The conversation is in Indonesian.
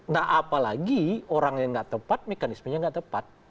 nah apalagi orangnya nggak tepat mekanismenya nggak tepat